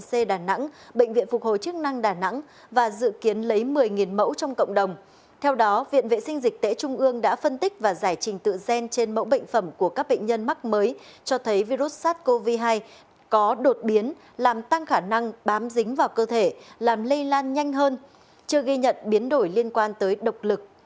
sau đó viện vệ sinh dịch tễ trung ương đã phân tích và giải trình tựa gen trên mẫu bệnh phẩm của các bệnh nhân mắc mới cho thấy virus sars cov hai có đột biến làm tăng khả năng bám dính vào cơ thể làm lây lan nhanh hơn chưa ghi nhận biến đổi liên quan tới độc lực